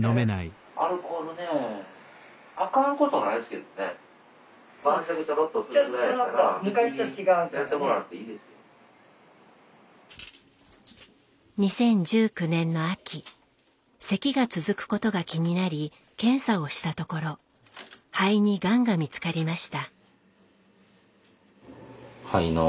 アルコールねえ２０１９年の秋せきが続くことが気になり検査をしたところ肺にがんが見つかりました。